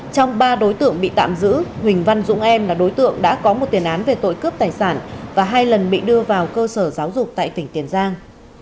trong ba đối tượng bị tạm giữ huỳnh văn dũng em là đối tượng đã có một tiền án về tội cướp tài sản và hai lần bị đưa vào cơ sở giáo dục tại tỉnh tiền giang